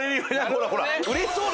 ほらほら。